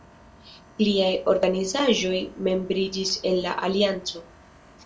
Pliaj organizaĵoj membriĝis en la alianco.